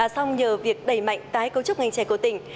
xong nhờ việc đẩy mạnh tái cấu trúc ngành trẻ của tỉnh